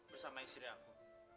bersama istri aku